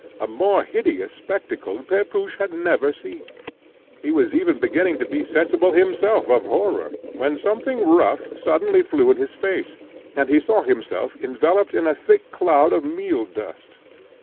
A more hideous spectacle Pepusch had never seen. He was even beginning to be sensible himself of horror, when something rough suddenly flew in his face, and he saw himself enveloped in a thick cloud of meal dust.